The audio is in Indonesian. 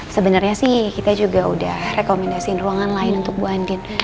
sebenarnya sih kita juga udah rekomendasiin ruangan lain untuk bu andin